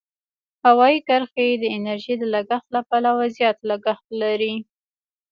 هوایي کرښې د انرژۍ د لګښت له پلوه زیات لګښت لري.